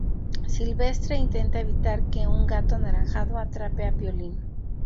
Silvestre intenta evitar que un gato anaranjado atrape a Piolín.